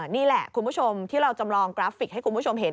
นี่แหละคุณผู้ชมที่เราจำลองกราฟิกให้คุณผู้ชมเห็น